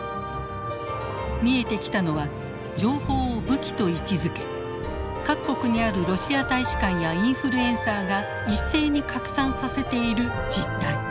見えてきたのは情報を武器と位置づけ各国にあるロシア大使館やインフルエンサーが一斉に拡散させている実態。